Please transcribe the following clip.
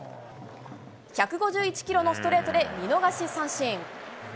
１５１キロのストレートで見逃し三振。